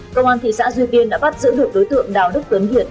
công an thị xã duy tiên đã bắt giữ được đối tượng đào đức tuấn